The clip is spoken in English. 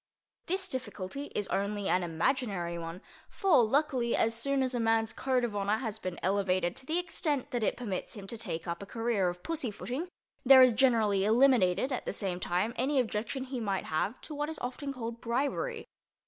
This difficulty is only an imaginary one—for, luckily, as soon as a man's code of honor has been elevated to the extent that it permits him to take up a career of pussy footing there is generally eliminated at the same time any objection he might have to what is often called bribery.